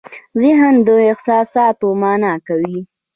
ذهن دا احساسات مانا کوي.